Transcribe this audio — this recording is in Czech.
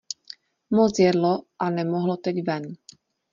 Moc jedlo, a nemohlo teď ven.